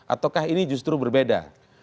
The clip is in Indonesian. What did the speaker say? ataukah ini justru berbeda